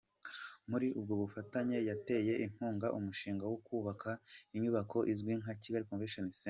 Muri ubwo bufatanye, yateye inkunga umushinga wo kubaka inyubako izwi nka Kigali Convention Centre.